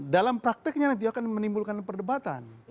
dalam prakteknya nanti akan menimbulkan perdebatan